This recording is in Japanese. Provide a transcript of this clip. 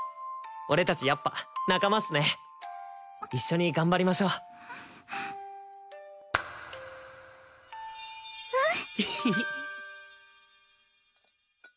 俺達やっぱ仲間っすね一緒に頑張りましょううん！